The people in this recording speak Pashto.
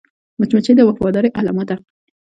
مچمچۍ د وفادارۍ علامه ده